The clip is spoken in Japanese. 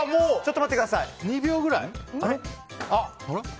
２秒ぐらい？